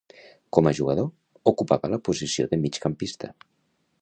Com a jugador, ocupava la posició de migcampista.